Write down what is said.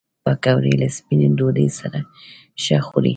پکورې له سپینې ډوډۍ سره ښه خوري